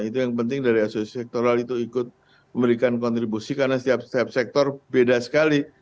itu yang penting dari asosiasi sektoral itu ikut memberikan kontribusi karena setiap sektor beda sekali